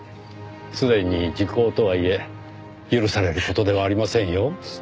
すでに時効とはいえ許される事ではありませんよ。